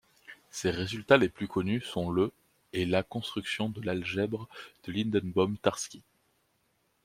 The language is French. Ses résultats les plus connus sont le et la construction de l'algèbre de Lindenbaum-Tarski.